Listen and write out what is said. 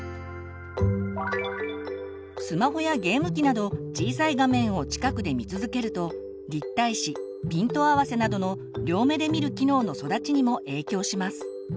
スマホやゲーム機など小さい画面を近くで見続けると立体視ピント合わせなどの両目で見る機能の育ちにも影響します。